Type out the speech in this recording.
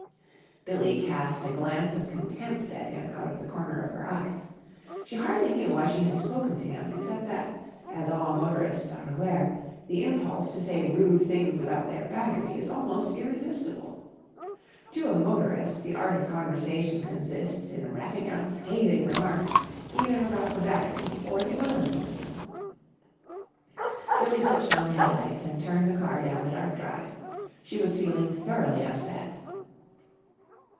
Billie cast a glance of contempt at him out of the corner of her eyes. She hardly knew why she had spoken to him except that, as all motorists are aware, the impulse to say rude things about their battery is almost irresistible. To a motorist the art of conversation consists in rapping out scathing remarks either about the battery or the oiling system. Billie switched on the head lights and turned the car down the dark drive. She was feeling thoroughly upset.